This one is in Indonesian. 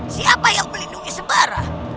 siapa yang melindungi sembar